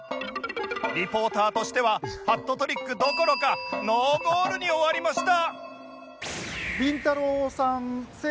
リポーターとしてはハットトリックどころかノーゴールに終わりました